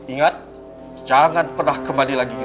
ingat jangan pernah kembali lagi di sini